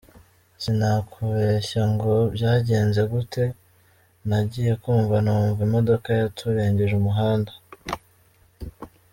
Sinakubeshya ngo byagenze gute , nagiye kumva numva imodoka yaturengeje umuhanda.